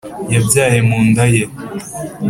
yabyaye mu nda ye.